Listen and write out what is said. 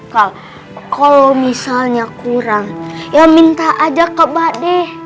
kalau misalnya kurang ya minta aja ke mbak de